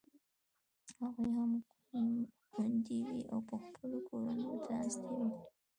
هغوی هم کونډې وې او په خپلو کورونو ناستې وې.